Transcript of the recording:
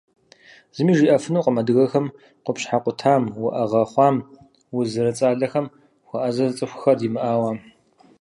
Зыми жиӏэфынукъым адыгэхэм къупщхьэ къутам, уӏэгъэ хъуам, уз зэрыцӏалэхэм хуэӏэзэ цӏыхухэр димыӏауэ.